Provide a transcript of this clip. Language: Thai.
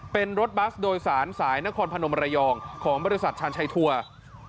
เป็นรถบัสโดยสารสายนครพนมระยองของบริษัทชาญชัยทัวร์